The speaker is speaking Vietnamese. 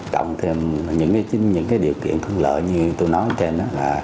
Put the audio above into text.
cộng thêm những điều kiện thương lợi như tôi nói trên